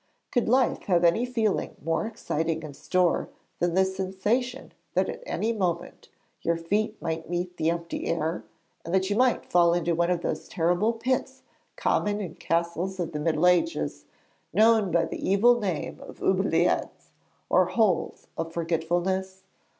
Could life have any feeling more exciting in store than the sensation that at any moment your feet might meet the empty air, and that you might fall into one of those terrible pits common in castles of the Middle Ages, known by the evil name of oubliettes or holes of forgetfulness?